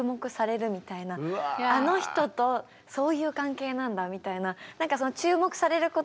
あの人とそういう関係なんだみたいな。